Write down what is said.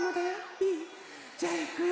いい？じゃあいくよ。